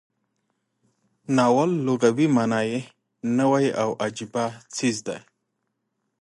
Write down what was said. ناول لغوي معنا یې نوی او عجیبه څیز دی.